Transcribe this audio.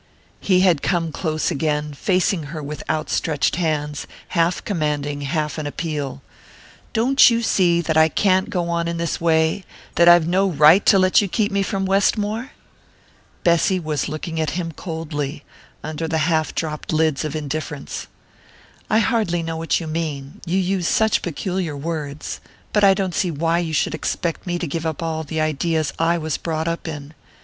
He had come close again, facing her with outstretched hands, half commanding, half in appeal. "Don't you see that I can't go on in this way that I've no right to let you keep me from Westmore?" Bessy was looking at him coldly, under the half dropped lids of indifference. "I hardly know what you mean you use such peculiar words; but I don't see why you should expect me to give up all the ideas I was brought up in.